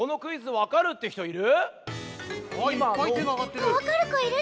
わかるこいるち？